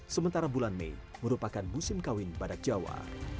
sementara bulan mei merupakan musim kawin badak jawa